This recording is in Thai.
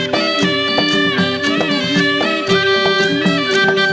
โปรดติดตามต่อไป